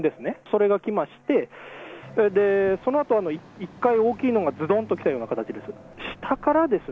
それが来まして、それでそのあと、１回大きいのがずどんと来たような形です。